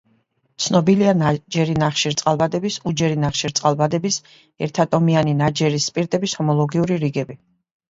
ცნობილია ნაჯერი ნახშირწყალბადების, უჯერი ნახშირწყალბადების, ერთატომიანი ნაჯერი სპირტების ჰომოლოგიური რიგები.